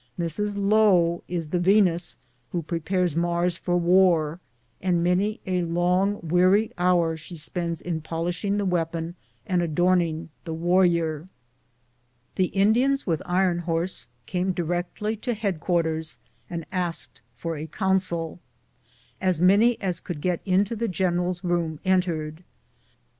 Mrs. " Lo " is the Yenus who prepares Mars for war, and many a long weary hour she spends in polishing the weapon and adorning the warrior. The Indians with Iron Horse came directly to head quarters and asked for a council. As many as could get into the general's room entered.